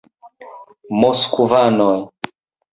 Moskvanoj!